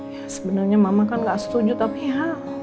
ya sebenarnya mama kan gak setuju tapi ya